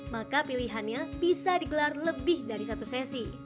maka pilihannya bisa digelar lebih dari satu sesi